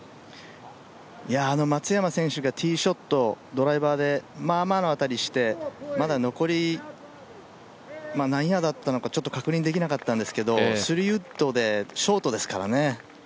あの松山選手がティーショット、ドライバーでまあまあの当たりしてまだ残り何ヤードあったのかちょっと確認できなかったんですけど、３ウッドでショートですからね。